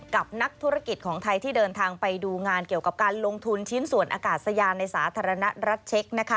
กับนักธุรกิจของไทยที่เดินทางไปดูงานเกี่ยวกับการลงทุนชิ้นส่วนอากาศยานในสาธารณรัฐเช็ค